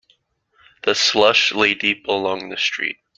The slush lay deep along the street.